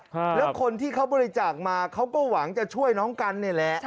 แล้วคนที่เขาบริจาคมาเขาก็หวังจะช่วยน้องกันเนี่ยแหละ